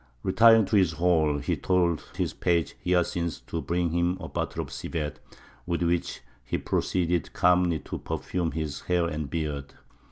Retiring to his hall, he told his page Hyacinth to bring him a bottle of civet, with which he proceeded calmly to perfume his hair and beard.